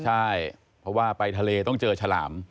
ใช่เพราะว่าไปทะเลต้องเจอฉลาม